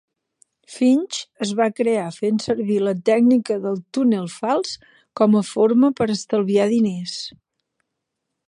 Finch es va crear fent servir la tècnica de túnel fals com a forma per estalviar diners.